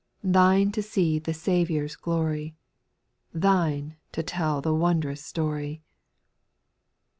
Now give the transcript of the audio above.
Thine to see the Saviour's glory, Thine to tell the wondrous story.